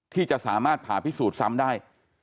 ที่จะสามารถผ่าพิสูจน์ซ้ำได้